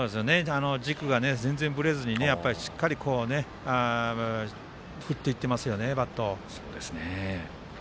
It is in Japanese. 軸が全然ぶれずにしっかり振っていってますよねバットを。